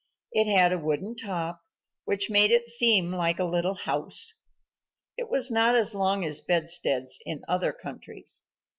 It had a wooden top, which made it seem like a little house. It was not as long as bedsteads in other countries.